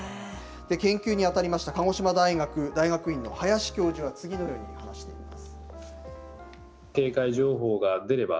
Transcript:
研究に当たりました鹿児島大学大学院の林教授は、次のように話しています。